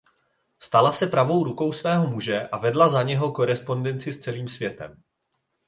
Stala se pravou rukou svého muže a vedla za něho korespondenci s celým světem.